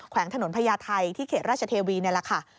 วงถนนพญาไทยที่เขตราชเทวีนี่แหละค่ะ